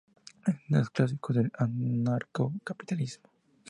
Es uno de los clásicos del anarcocapitalismo.